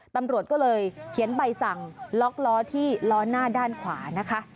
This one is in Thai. ตำรวจก็เลยเขียนใบสั่งล็อกล้อที่ล้อหน้าด้านขวานะคะ